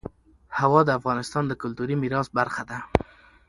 هوا د افغانستان د کلتوري میراث برخه ده.